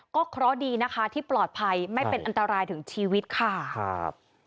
เพราะดีนะคะที่ปลอดภัยไม่เป็นอันตรายถึงชีวิตค่ะครับ